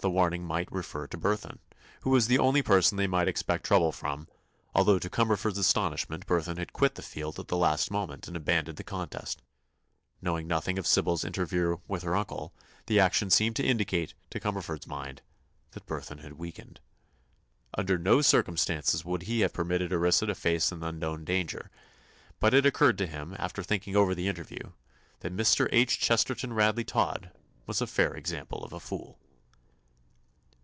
The warning might refer to Burthon, who was the only person they might expect trouble from, although to Cumberford's astonishment Burthon had quit the field at the last moment and abandoned the contest. Knowing nothing of Sybil's interview with her uncle, that action seemed to indicate, to Cumberford's mind, that Burthon had weakened. Under no circumstances would he have permitted Orissa to face an unknown danger, but it occurred to him, after thinking over the interview, that Mr. H. Chesterton Radley Todd was a fair example of a fool.